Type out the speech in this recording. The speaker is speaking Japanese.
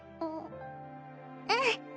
うん！